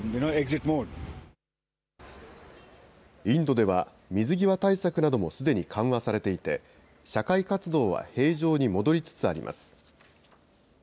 インドでは、水際対策などもすでに緩和されていて、社会活動は平常に戻りつつあります。